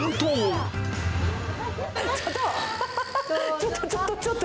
ちょっと。